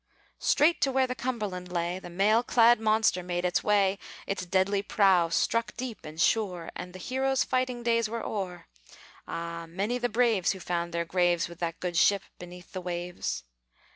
Straight to where the Cumberland lay, The mail clad monster made its way; Its deadly prow struck deep and sure, And the hero's fighting days were o'er. Ah! many the braves who found their graves, With that good ship, beneath the waves!